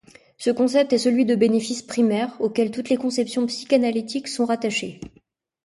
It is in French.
Ce concept est celui de bénéfice primaire, auquel toutes les conceptions psychanalytiques sont rattachées.